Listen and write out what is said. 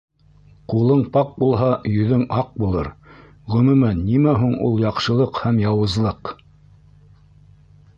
Ҡулың пак булһа, йөҙөң аҡ булыр, Ғөмүмән, нимә һуң ул яҡшылыҡ һәм яуызлыҡ?